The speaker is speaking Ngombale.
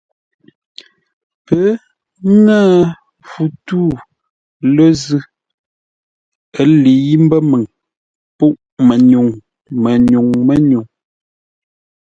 Pə́ ŋə̂ fu tû lə́ zʉ́ ə́ lə̌i mbə́ məŋ pûʼ-mənyuŋ mə́nyúŋ mə́nyúŋ,